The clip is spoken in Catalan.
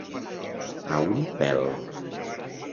A un pèl.